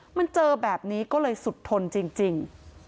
มันเจอแบบนี้ก็เลยสุดทนจริง